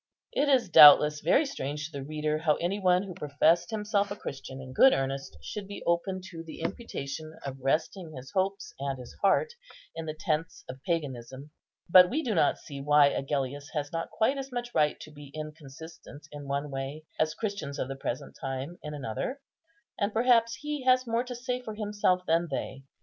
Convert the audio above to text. It is doubtless very strange to the reader how any one who professed himself a Christian in good earnest should be open to the imputation of resting his hopes and his heart in the tents of paganism; but we do not see why Agellius has not quite as much right to be inconsistent in one way as Christians of the present time in another, and perhaps he has more to say for himself than they.